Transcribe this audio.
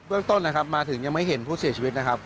เรื่องต้นนะครับมาถึงยังไม่เห็นผู้เสียชีวิตนะครับ